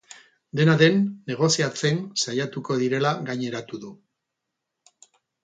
Dena den, negoziatzen saiatuko direla gaineratu du.